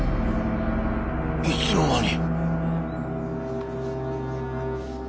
いつの間に。